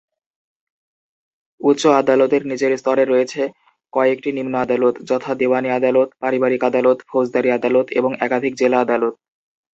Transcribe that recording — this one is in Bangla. উচ্চ আদালতের নিচের স্তরে রয়েছে কয়েকটি নিম্ন আদালত; যথা: দেওয়ানি আদালত, পারিবারিক আদালত, ফৌজদারি আদালত, এবং একাধিক জেলা আদালত।